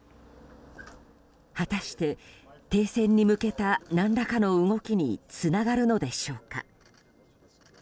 果たして停戦に向けた何らかの動きにつながるのでしょうか。